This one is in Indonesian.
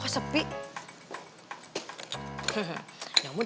kalau aku bug klien terblong monte tante rempong